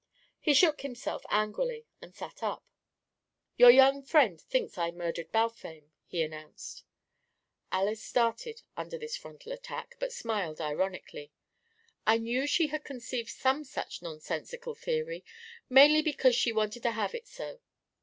He shook himself angrily and sat up. "Your young friend thinks I murdered Balfame," he announced. Alys started under this frontal attack, but smiled ironically. "I knew she had conceived some such nonsensical theory, mainly because she wanted to have it so.